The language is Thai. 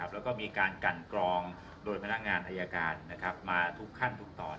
แล้วก็มีการกันกรองโดยพนักงานอายการมาทุกขั้นทุกตอน